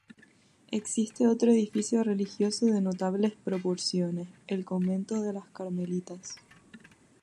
Existe otro edificio religioso de notables proporciones, el Convento de las Carmelitas.